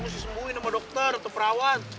mesti sembuhin sama dokter atau perawat